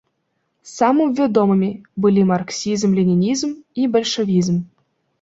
Самым вядомымі былі марксізм-ленінізм і бальшавізм.